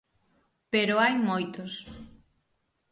Pero hai moitos.